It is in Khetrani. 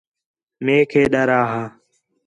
میک ہِے ݙر آ ہا